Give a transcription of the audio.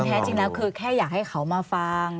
แท้จริงแล้วคือแค่อยากให้เขามาฟัง